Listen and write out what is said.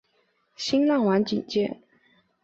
新浪网简介